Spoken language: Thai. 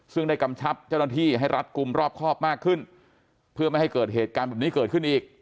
ซึ่งได้กำชับเจ้าหน้าที่ให้รัฐกลุ่มรอบครอบมากขึ้นเพื่อไม่ให้เกิดเหตุการณ์แบบนี้เกิดขึ้นอีก